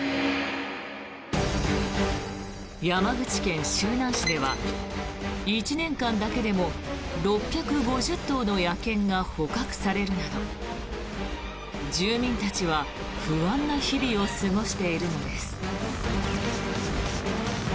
山口県周南市では１年間だけでも６５０頭の野犬が捕獲されるなど住民たちは不安な日々を過ごしているのです。